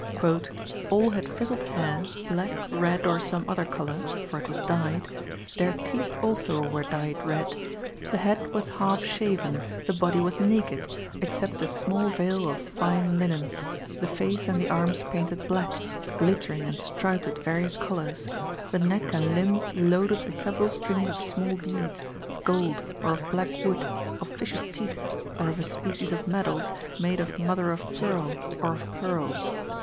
"All had frizzled hair, black, red, or some other colour (for it was dyed); their teeth also were dyed red; the head was half shaven, the body was naked, except a small veil of fine linen, the face and the arms painted black, glittering and striped with various colours; the neck and limbs loaded with several strings of small beads, of gold, or of black wood, of fishes' teeth, or of a species of medals made of mother of pearl, or of pearls."